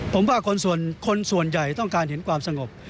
ผมว่าคนส่วนใหญ่ต้องการเห็นความสงบ